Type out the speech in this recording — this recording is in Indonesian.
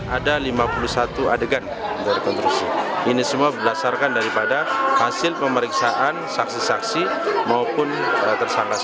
ada lima puluh satu adegan dari konstruksi ini semua berdasarkan daripada hasil pemeriksaan saksi saksi maupun tersangka